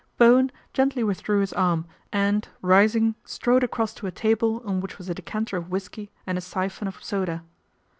Bowen gently withdrew his arm and, rising, strode across to a table on which was a decanter of whisky and syphon of soda.